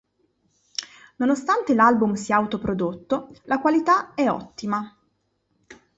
Nonostante l'album sia autoprodotto, la qualità è ottima.